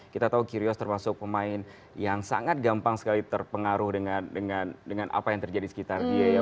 kita tahu kirios termasuk pemain yang sangat gampang sekali terpengaruh dengan apa yang terjadi di sekitar dia ya